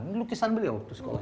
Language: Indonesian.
ini lukisan beliau waktu sekolah